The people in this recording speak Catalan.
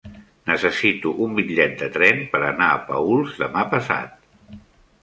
Necessito un bitllet de tren per anar a Paüls demà passat.